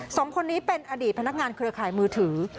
สองคนนี้เป็นอดีตพนักงานเครือข่ายมือถือ